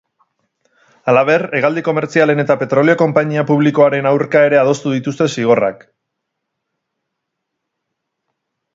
Halaber, hegaldi komertzialen eta petrolio konpainia publikoaren aurka ere adostu dituzte zigorrak.